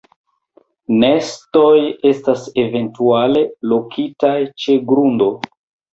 Nestoj estas eventuale lokitaj ĉe grundo.